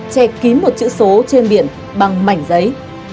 che kín một chữ số trên biển bằng mảnh giấy